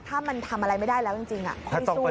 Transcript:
ถ้ามันทำอะไรไม่ได้แล้วจริงค่อยสู้